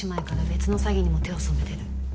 別の詐欺にも手を染めてる